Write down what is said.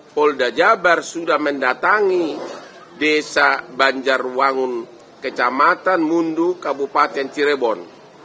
polda jabar sudah mendatangi desa banjarwangun kecamatan mundu kabupaten cirebon